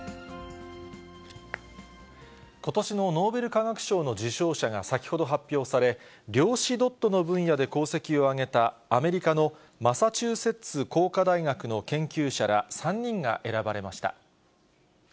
ことしのノーベル化学賞の受賞者が先ほど発表され、量子ドットの分野で功績を上げた、アメリカのマサチューセッツ工科大学の研究者ら３人が選ばれました。